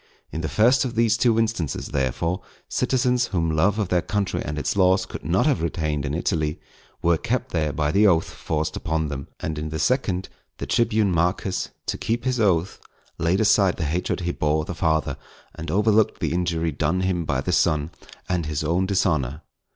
In the first of these two instances, therefore, citizens whom love of their country and its laws could not have retained in Italy, were kept there by the oath forced upon them; and in the second, the tribune Marcus, to keep his oath, laid aside the hatred he bore the father, and overlooked the injury done him by the son, and his own dishonour.